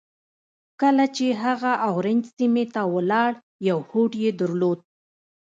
کله چې هغه اورنج سيمې ته ولاړ يو هوډ يې درلود.